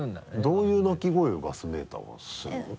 どういう鳴き声をガスメーターはするの？